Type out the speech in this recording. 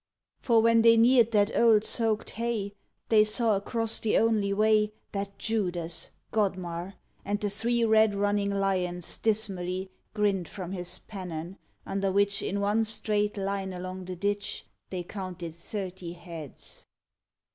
For when they near'd that old soak'd hay, They saw across the only way That Judas, Godmar, and the three Red running lions dismally Grinn'd from his pennon, under which In one straight line along the ditch, They counted thirty heads.